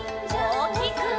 おおきく！